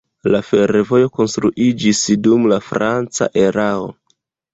La fervojo konstruiĝis dum la franca erao.